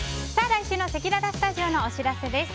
来週のせきららスタジオのお知らせです。